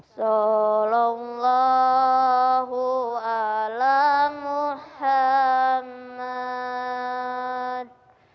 salam allah ala muhammad